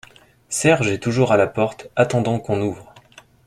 Serge est toujours à la porte, attendant qu’on ouvre.